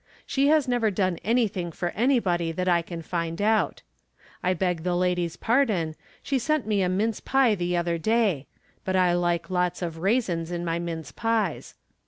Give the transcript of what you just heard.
She has never done anything for anybody that I can find out. I beg the lady's pardon, she sent me a mince pie the other day — ^but I like lots of raisins in my mince pies.